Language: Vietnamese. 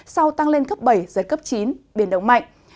sau tăng lên cấp bảy giờ cấp chín biển đông mạnh